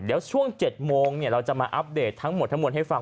เดี๋ยวช่วง๗โมงเราจะมาอัปเดตทั้งหมดทั้งมวลให้ฟัง